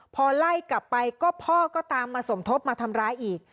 พอไล่กลับไปก็พ่อก็ตามมาสมทบมาทำร้ายอีก